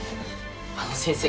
あの先生